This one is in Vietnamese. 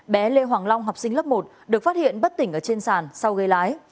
bé lê hoàng long học sinh lớp một được phát hiện bất tỉnh ở trên sàn sau gây lái